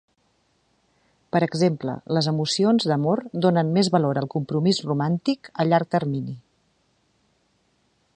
Per exemple, les emocions d'amor donen més valor al compromís romàntic a llarg termini.